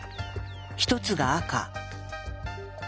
一つが赤。